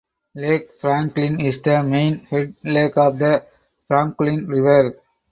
Lake Franquelin is the main head lake of the Franquelin River.